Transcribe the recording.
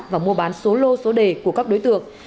và mua bán số lô số đề của các đối tượng